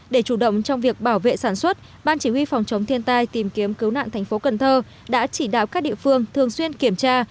để chủ động trong việc bảo vệ sản xuất ban chỉ huy phòng chống thiên tai tìm kiếm cứu nạn thành phố cần thơ đã chỉ đạo các địa phương thường xuyên kiểm tra